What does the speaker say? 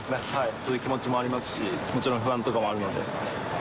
そういう気持ちもありますし、もちろん不安とかもあるので。